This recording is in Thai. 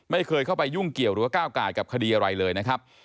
ไม่เคยเข้าไปยุ่งเกี่ยวหรือว่าก้าวกายกับคดีอะไรเลยนะครับ